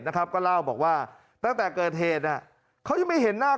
ก็เล่าบอกว่าตั้งแต่เกิดเหตุเขายังไม่เห็นหน้า